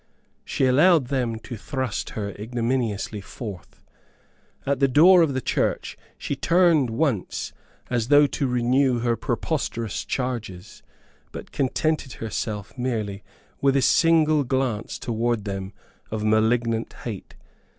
She allowed them to thrust her ignominiously forth. At the door of the church she turned once as though to renew her preposterous charges, but contented herself merely with a single glance towards them of malignant hate.